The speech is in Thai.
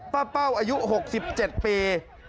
เป้าอายุ๖๗ปี